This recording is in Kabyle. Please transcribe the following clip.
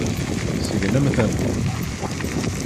Segnemt-ten.